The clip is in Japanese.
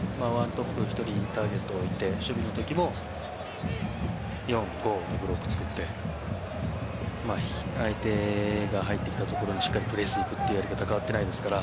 １トップで１人置いて守備のときも４−５とブロックを作って相手が入ってきたところしっかりプレスいくというやり方変わってないですから。